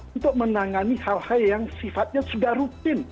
untuk menangani hal hal yang sifatnya sudah rutin